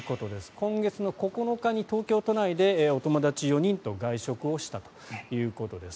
今月９日に東京都内でお友達４人と外食したということです。